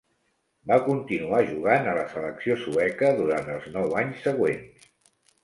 Va continuar jugant a la selecció sueca durant els nou anys següents.